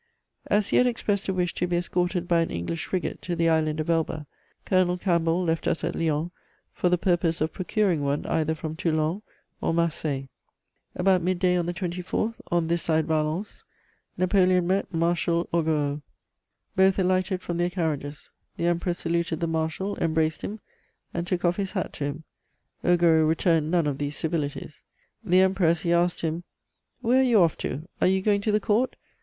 As he had expressed a wish to be escorted by an English frigate to the island of Elba, Colonel Campbell left us at Lyons for the purpose of procuring one either from Toulon or Marseilles. "About mid day on the 24th, on this side Valence, Napoleon met Marshal Augereau. Both alighted from their carriages. The Emperor saluted the marshal, embraced him, and took off his hat to him. Augereau returned none of these civilities. The Emperor, as he asked him, 'Where are you off to? Are you going to the Court?'